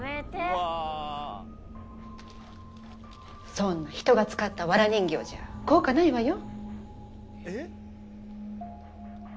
そんな人が使ったわら人形じゃ効果ないわよ